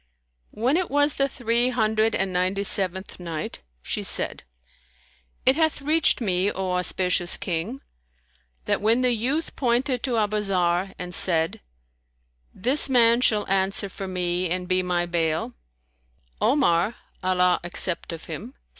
When it was the Three Hundred and Ninety seventh Night, She said, It hath reached me, O auspicious King, that when the youth pointed to Abu Zarr and said, "This man shall answer for me and be my bail," Omar (Allah accept of him!)